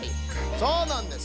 そうなんです。